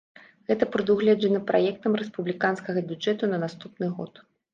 Гэта прадугледжана праектам рэспубліканскага бюджэту на наступны год.